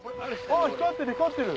あっ光ってる光ってる！